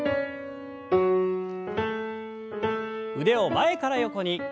腕を前から横に。